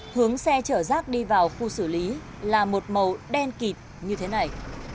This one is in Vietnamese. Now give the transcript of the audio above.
hướng xe chở rác đi vào khu xử lý là một màu đen kịp như thế này